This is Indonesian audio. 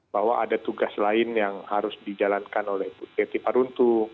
bahwa ada tugas lain yang harus dijalankan oleh bu teti paruntu